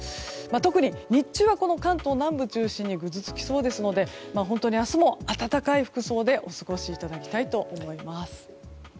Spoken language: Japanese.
特に日中は関東南部を中心にぐずつきそうなので明日も温かい服装でお過ごしいただきたいと思います。